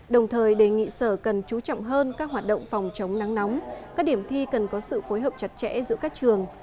đồng thời đề nghị sở cần chú trọng hơn các hoạt động phòng chống nắng nóng các điểm thi cần có sự phối hợp chặt chẽ giữa các trường